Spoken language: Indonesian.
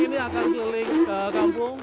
ini akan keliling ke kampung